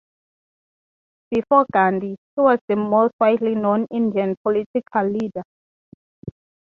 Before Gandhi, he was the most widely known Indian political leader.